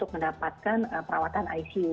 mendapatkan perawatan icu